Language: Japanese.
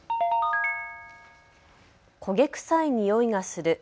焦げ臭いにおいがする。